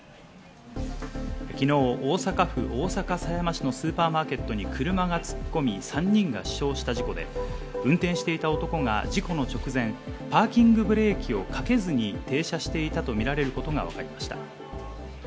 昨日、大阪府大阪狭山市のスーパーマーケットに車が突っ込み、３人が死傷した事故で、運転していた男が事故の直前、パーキングブレーキをかけずに停車していたとみられることがわかりました。